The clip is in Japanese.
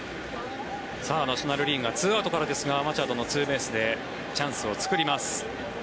ナショナル・リーグは２アウトからですがマチャドのツーベースでチャンスを作ります。